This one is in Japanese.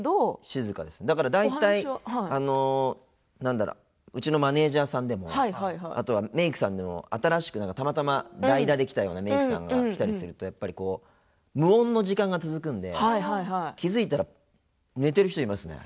だから、大体うちのマネージャーさんでもあとはメークさんでも、新しく代打できたようなメークさんが来たりすると無音の時間が続くんで気付いたら、寝てる人いますね。